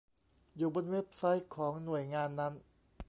อยู่บนเว็บไซต์ของหน่วยงานนั้น